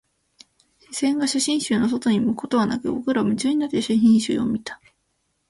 視線が写真集の外に向くことはなく、僕らは夢中になって写真集を見た